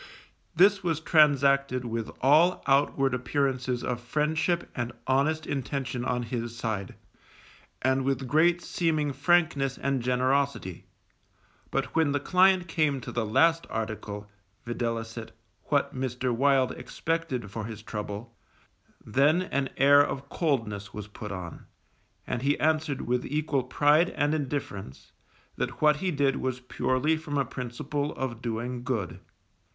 This was transacted with all outward appearances of friendship and honest intention on his side, and with great seeming frankness and generosity; but when the client came to the last article, viz., what Mr. Wild expected for his trouble, then an air of coldness was put on, and he answered with equal pride and indifference, that what he did was purely from a principle of doing good.